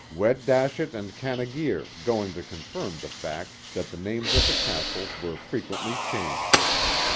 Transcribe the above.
Wetdashet and Canagere, going to confirm the fact that the names of the castles were frequently changed.